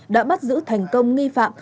đã bắt giữ thành công nghi phạm